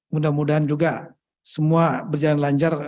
mudah mudahan juga semua berjalan lancar